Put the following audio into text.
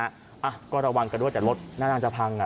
เอ้าแล้วก็ระวังกันด้วยแต่รถน่าน่าจะพังอ่ะ